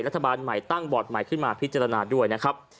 รัฐบาลใหม่ตั้งบอร์ดใหม่ขึ้นมาพิจารณาด้วยนะครับ